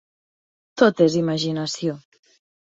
Tot és imaginació.